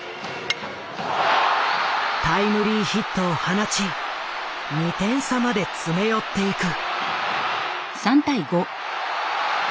タイムリーヒットを放ち２点差まで詰め寄っていく。